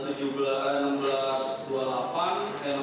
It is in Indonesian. saya kira bisa diberi pembahasan